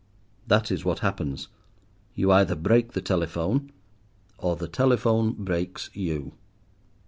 That is what happens: you either break the telephone, or the telephone breaks you.